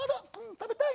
食べたい。